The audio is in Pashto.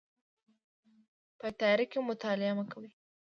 په تیاره کې مطالعه مه کوئ